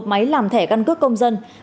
một máy làm thẻ căn cước công dân